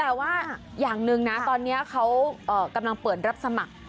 แต่ว่าอย่างหนึ่งนะตอนนี้เขากำลังเปิดรับสมัคร